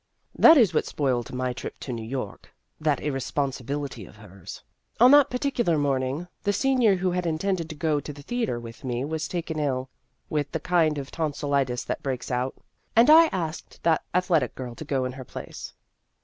That is what spoiled my trip to New York that irresponsibility of hers. On that particular morning, the senior who had intended to go to the theatre with me was taken ill with the kind of tonsillitis that breaks out ; and I asked 2o8 Vassar Studies that athletic girl to go in her place.